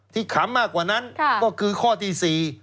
ขำมากกว่านั้นก็คือข้อที่๔